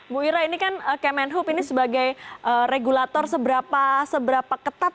bu ira ini kan kemenhub ini sebagai regulator seberapa ketat